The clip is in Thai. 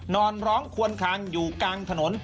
นอนร้องควนคังอยู่กลางถนน